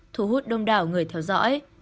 thú hút đông đảo người theo dõi